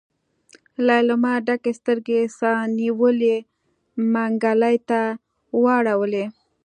ليلما ډکې سترګې سا نيولي منګلي ته واړولې.